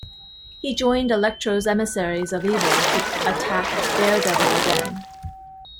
He joined Electro's Emissaries of Evil to attack Daredevil again.